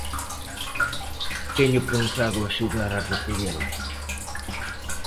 Teño pensado axudar a recollela.